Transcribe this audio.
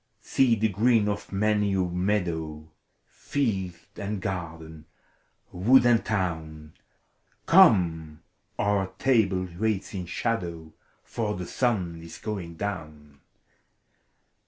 See the green of piuiy a meadow. Field and garden, yrood and town! Come, our table waits in shadow! For the sun is going down.